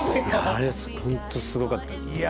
あれはホントすごかったです。